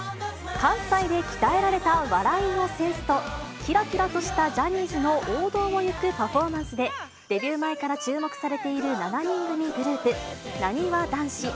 関西で鍛えられた笑いのセンスと、きらきらとしたジャニーズの王道を行くパフォーマンスで、デビュー前から注目されている７人組グループ、なにわ男子。